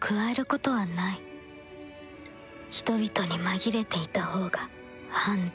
人々に紛れていたほうが安全